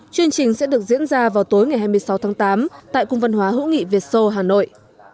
chương trình sẽ được diễn ra vào tối ngày hai mươi sáu tháng tám tại cung văn hóa hữu nghị việt sô hà nội